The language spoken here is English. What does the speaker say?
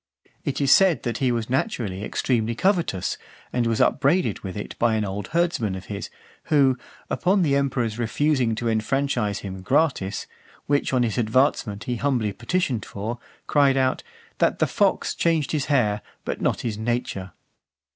It is said that he was naturally extremely covetous, and was upbraided with it by an old herdsman of his, who, upon the emperor's refusing to enfranchise him gratis, which on his advancement he humbly petitioned for, cried out, "That the fox changed his hair, but not his nature."